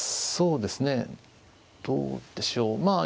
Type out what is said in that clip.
そうですねどうでしょう。